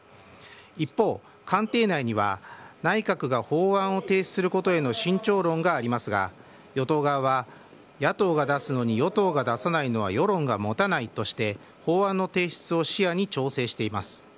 一方、官邸内には内閣が法案を提出することへの慎重論がありますが与党側は野党が出すのに与党が出さないのは世論が持たないとして法案の提出を視野に調整しています。